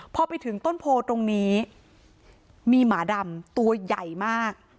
พอไปถึงต้นโพตรงนี้มีหมาดำตัวใหญ่มาก